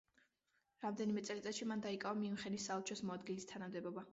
რამდენიმე წელიწადში მან დაიკავა მიუნხენის საელჩოს მოადგილის თანამდებობა.